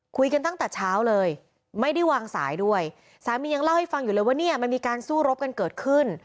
คุยกันตั้งแต่เช้าเลยไม่ได้วางสายด้วยสามียังเล่าให้ฟังอยู่เลยว่าเนี่ยมันมีการสู้รบกันเกิดขึ้น